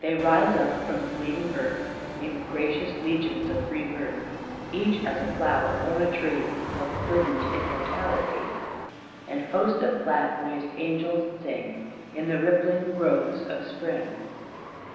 They rise up from the bleeding earth In gracious legions of re birth, Each as a flower or a tree Of verdant immortality. And hosts of glad voiced angels sing In the rippling groves of spring.